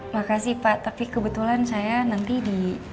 makasih pak tapi kebetulan saya nanti di